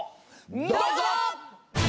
どうぞ！